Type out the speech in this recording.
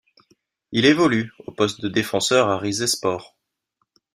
Il évolue au poste de défenseur à Rizespor.